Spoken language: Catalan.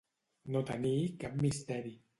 No tenir cap misteri.